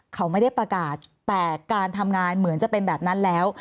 เขาไม่ได้ประกาศแต่การทำงานเหมือนจะเป็นแบบนั้นแล้ว